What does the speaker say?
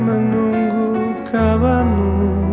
seperti yang menunggu kawanmu